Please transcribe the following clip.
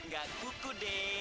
gak kuku deh